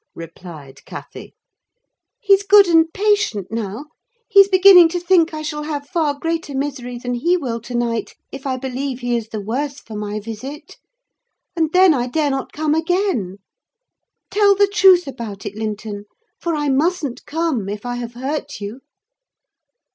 replied Cathy. "He's good and patient now. He's beginning to think I shall have far greater misery than he will to night, if I believe he is the worse for my visit: and then I dare not come again. Tell the truth about it, Linton; for I mustn't come, if I have hurt you."